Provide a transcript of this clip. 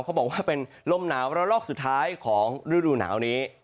เขาบอกว่าเป็นลมหนาวระลอกสุดท้ายของฤดูหนาวนี้